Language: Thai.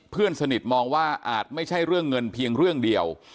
เพื่อนสนิทมองว่าอาจไม่ใช่เรื่องเงินเพียงเรื่องเดียว